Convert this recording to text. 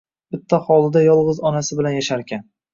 Bitta hovlida yolg`iz onasi bilan yasharkan